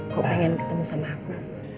kok pengen ketemu sama aku